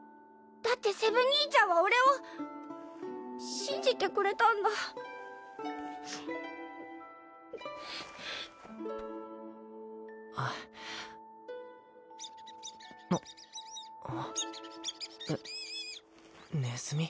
だってセブ兄ちゃんは俺を信じてくれたんだあえっねずみ？